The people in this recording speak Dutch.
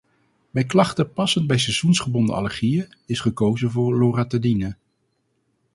Bij klachten passend bij seizoensgebonden allergieën, is gekozen voor loratadine.